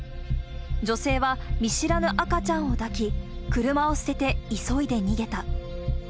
女性は見知らぬ赤ちゃんを抱き、車を捨てて急いで逃げた。